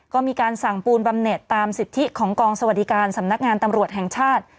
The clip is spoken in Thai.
ก็มีการสั่งปูนบำเน็ตตามสิทธิของกองสวัสดิการสำนักงานตำรวจแห่งชาติ